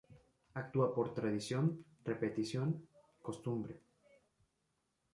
Actúa por tradición, repetición, costumbre.